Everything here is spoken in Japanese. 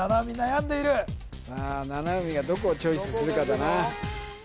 どうださあ七海がどこをチョイスするかだなどこ書くの？